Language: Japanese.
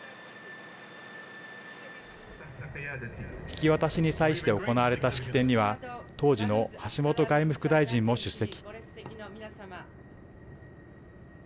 引き渡しに際して行われた式典には当時の橋本外務副大臣も出席。